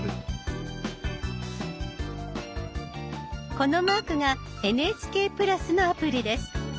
このマークが「ＮＨＫプラス」のアプリです。